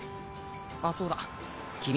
あそうだ君